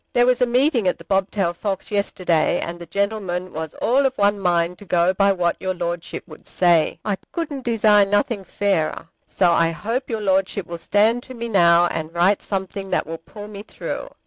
There was a meeting at The Bobtailed Fox yesterday, and the gentlemen was all of one mind to go by what your Lordship would say. I couldn't desire nothing fairer. So I hope your Lordship will stand to me now, and write something that will pull me through.